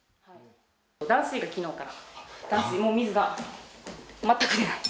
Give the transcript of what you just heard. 断水がきのうから、断水、もう水が全く出ない。